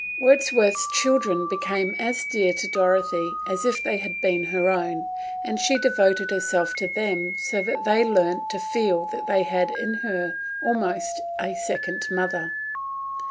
Wordsworth's children became as dear to Dorothy as if they had been her own, and she devoted herself to them so that they learnt to feel that they had in her almost a second mother.